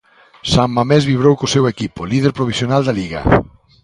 San Mamés vibrou co seu equipo, líder provisional da Liga.